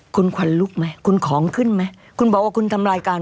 คุณขวัญลุกไหมคุณของขึ้นไหมคุณบอกว่าคุณทำรายการ